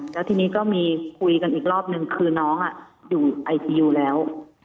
แล้วทีนี้ก็มีคุยกันอีกรอบนึงคือน้องอยู่ไอทียูแล้ว